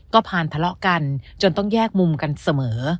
ก็ผ่านทะเลาะกันจนต้องแยกมุมกันเสมอ